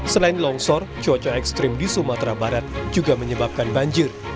selain longsor cuaca ekstrim di sumatera barat juga menyebabkan banjir